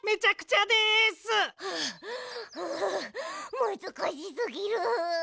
むずかしすぎる！